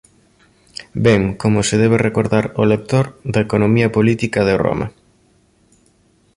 Vén, como se debe recordar ó lector, da economía política de Roma.